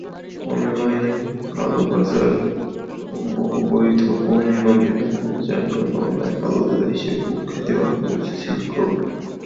Online কালোবাজারঅবৈধ পণ্য কেনাবেচার জন্য অনলাইনের কালোবাজার হিসেবে কুখ্যাতি অর্জন করেছিল সিল্ক রোড।